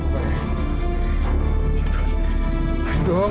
aku harus bisa tuhan